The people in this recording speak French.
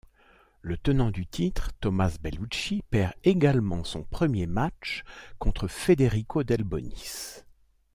Le tenant du titre Thomaz Bellucci perd également son premier match contre Federico Delbonis.